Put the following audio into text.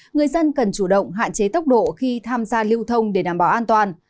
người dân cần chủ động hạn chế tốc độ khi tham gia lưu thông để đảm bảo an toàn